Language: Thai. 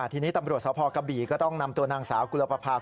ทีนี้ตำรวจสพกบีก็ต้องนำตัวนางสาวกุลปภาค